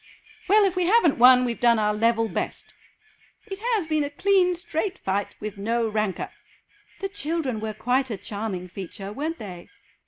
"Well, if we haven't won; we've done our level best." "It has been a clean straight fight, with no rancour." "The children were quite a charming feature, weren't they?"